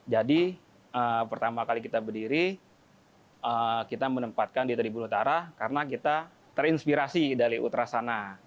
jadi pertama kali kita berdiri kita menempatkan di tribun utara karena kita terinspirasi dari ultras sana